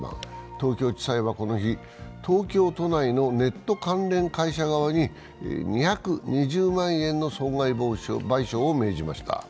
東京地裁はこの日、東京都内のネット関連会社側に２２０万円の損害賠償を命じました。